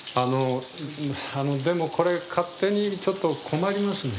あのでもこれ勝手にちょっと困りますね。